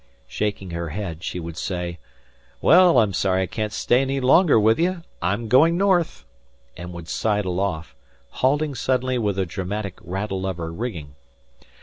Shaking her head, she would say: "Well, I'm sorry I can't stay any longer with you. I'm going North," and would sidle off, halting suddenly with a dramatic rattle of her rigging.